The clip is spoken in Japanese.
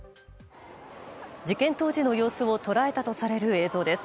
事件当時の様子を捉えたとされる映像です。